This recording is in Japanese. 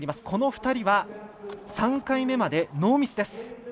この２人は、３回目までノーミスです。